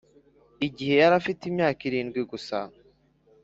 Igihe yari afite imyaka irindwi gusa